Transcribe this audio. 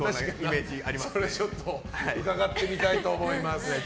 それ伺ってみたいと思います。